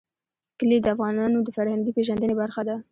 کلي د افغانانو د فرهنګي پیژندنې برخه ده.